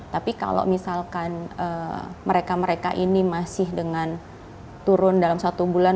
tapi kalau misalkan mereka mereka ini masih dengan turun dalam satu bulan